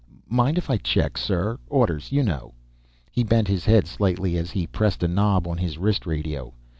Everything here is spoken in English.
"Mind if I check, sir? Orders, you know." He bent his head slightly as he pressed a knob on his wrist radio.